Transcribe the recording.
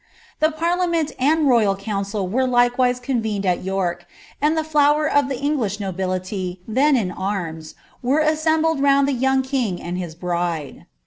Tlio pEu ltuucut and royil council wen likewise convened at York, and the dower of the EngUtli nobiiJij, then in arms, were tsaembled round the young king and hj> bride.